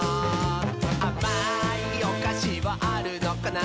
「あまいおかしはあるのかな？」